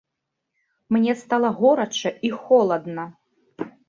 Мне стала горача і холадна.